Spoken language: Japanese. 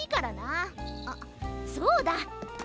あっそうだ。